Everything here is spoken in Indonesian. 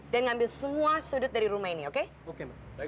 dan ambil semua sudut pekerjaan yang kata kata untuk saya